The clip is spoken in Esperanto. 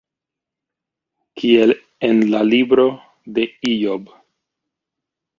Kiel en la libro de Ijob.